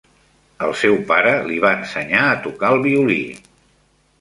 El seu pare li va ensenyar a tocar el violí.